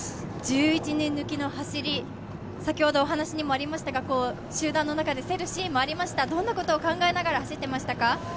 １１人抜きの走り、先ほどお話にもありましたが集団の中で競るシーンもありました、どんなことを考えながら走っていましたか？